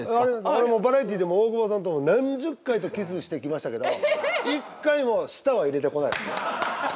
俺もバラエティーでも大久保さんと何十回とキスしてきましたけど一回も舌は入れてこないもんね。